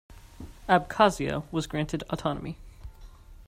Abkhazia was granted autonomy.